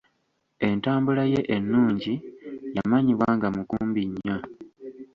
Entambula ye ennungi yamanyibwa nga mukumbi nnyo.